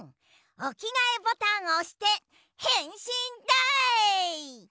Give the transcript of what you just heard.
おきがえボタンをおしてへんしんだい！